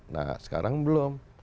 nah sekarang belum